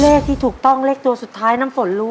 เลขที่ถูกต้องเลขตัวสุดท้ายน้ำฝนรู้